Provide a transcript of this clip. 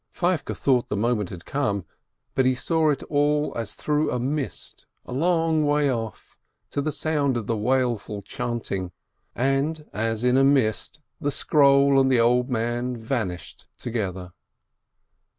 Feivke thought the moment had come, but he saw it all as through a mist, a long way off, to the sound of the wailful chanting, and as in a mist the scroll and the old man vanished together.